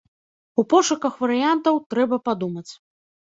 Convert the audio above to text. У пошуках варыянтаў трэба падумаць.